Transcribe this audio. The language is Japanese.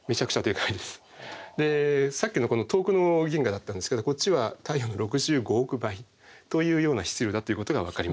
さっきのこの遠くの銀河だったんですけどこっちは太陽の６５億倍というような質量だということがわかりました。